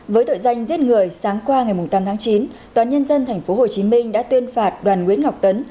với tội danh giết người sáng qua ngày tám tháng chín tòa nhân dân tp hcm đã tuyên phạt đoàn nguyễn ngọc tấn